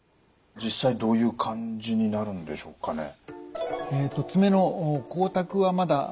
実際どういう感じになるんでしょうかね？